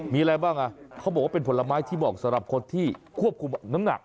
มีอะไรบ้างอ่ะเขาบอกว่าเป็นผลไม้ที่เหมาะสำหรับคนที่ควบคุมน้ำหนัก